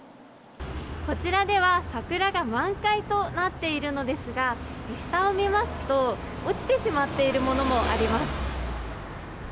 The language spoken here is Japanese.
こちらでは桜が満開となっているのですが、下を見ますと、落ちてしまっているものもあります。